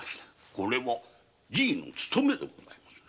これはじぃの務めでございます。